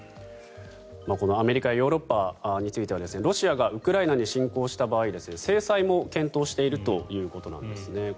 このアメリカヨーロッパについてはロシアがウクライナに侵攻した場合制裁も検討しているということなんですね。